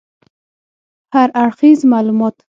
هراړخیز معلومات